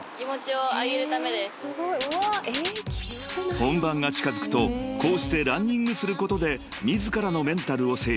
［本番が近づくとこうしてランニングすることで自らのメンタルを整理する］